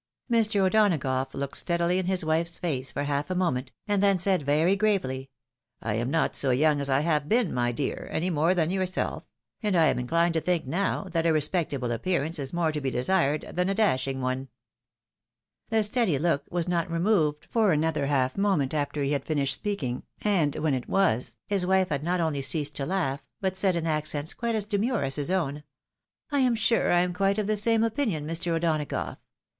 Mr. O'Donagough looked steadily in his wife's face, for half a moment, and then said very gravely, " I am not so young as I have been, my dear, any more than yourself; and I am inchned to think now, that a respectable appearance is more to be desired than a dashing one." 92 THE WIDOW MARRIED. The steady look was not removed for another half moment after he had finished speaking, and when it was, his wife had not only ceased to laugh, but said in accents quite as demure as his own, " I am sure I am quite of the same opinion, Mr. O'Donagough.